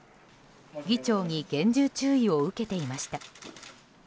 議長に厳重注意を受けていました。